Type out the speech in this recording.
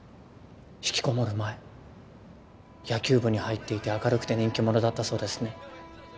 引きこもる前野球部に入っていて明るくて人気者だったそうですね。